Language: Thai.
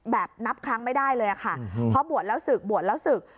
แบบนับครั้งไม่ได้เลยค่ะเพราะบวชแล้วศึกบวชแล้วศึก